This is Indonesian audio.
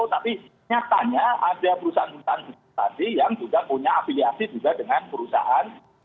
tapi nyatanya ada perusahaan perusahaan tadi yang juga punya afiliasi juga dengan perusahaan